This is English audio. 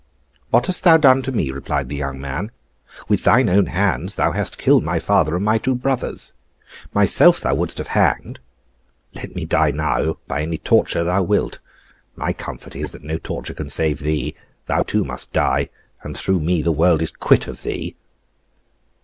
'What hast thou done to me?' replied the young man. 'With thine own hands thou hast killed my father and my two brothers. Myself thou wouldest have hanged. Let me die now, by any torture that thou wilt. My comfort is, that no torture can save Thee. Thou too must die; and, through me, the world is quit of thee!